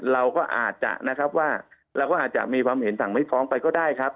เราก็อาจจะมีความเห็นสั่งไว้พร้อมไปก็ได้ครับ